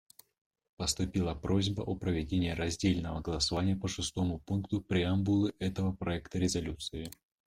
Поступила просьба о проведении раздельного голосования по шестому пункту преамбулы этого проекта резолюции.